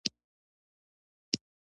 هڅې پیل شوې شخړې رامنځته شوې